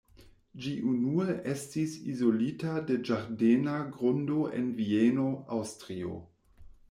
Ĝi unue estis izolita de ĝardena grundo en Vieno, Aŭstrio.